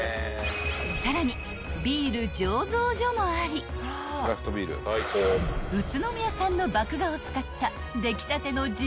［さらにビール醸造所もあり宇都宮産の麦芽を使った出来たての地